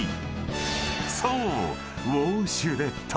［そう］